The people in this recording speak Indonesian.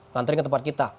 nantinya tempat kita